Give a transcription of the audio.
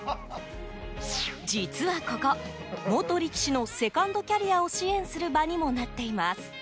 実はここ元力士のセカンドキャリアを支援する場にもなっています。